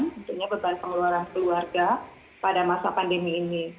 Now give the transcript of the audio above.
tentunya beban pengeluaran keluarga pada masa pandemi ini